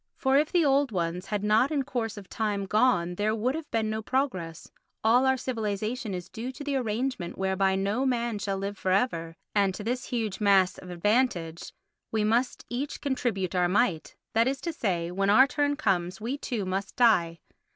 For if the old ones had not in course of time gone there would have been no progress; all our civilisation is due to the arrangement whereby no man shall live for ever, and to this huge mass of advantage we must each contribute our mite; that is to say, when our turn comes we too must die.